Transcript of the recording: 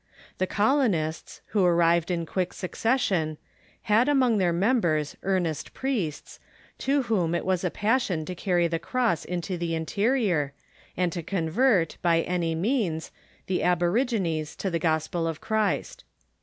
The colonists, who arrived in quick succession, had among their members earnest priests, to whom it was a passion to carry the cross into the interior, and to convert, by any means, the abo rigines to the gospel of Christ.